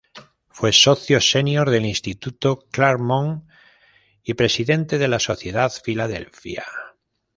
Fue socio senior del Instituto Claremont y presidente de la Sociedad Filadelfia.